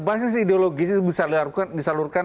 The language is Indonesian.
basis ideologis itu bisa disalurkan